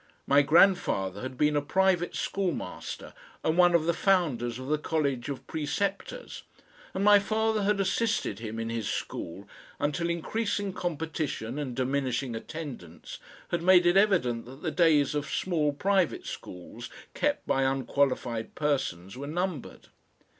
My grandfather had been a private schoolmaster and one of the founders of the College of Preceptors, and my father had assisted him in his school until increasing competition and diminishing attendance had made it evident that the days of small private schools kept by unqualified persons were numbered.